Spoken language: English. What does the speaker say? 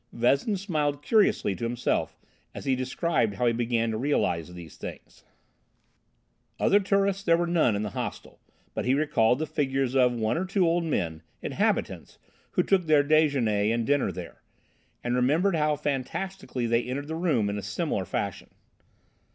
Vezin smiled curiously to himself as he described how he began to realize these things. Other tourists there were none in the hostel, but he recalled the figures of one or two old men, inhabitants, who took their déjeuner and dinner there, and remembered how fantastically they entered the room in similar fashion.